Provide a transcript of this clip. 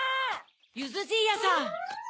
ゆずじいやさん。